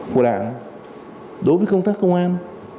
của đảng đối với công tác công an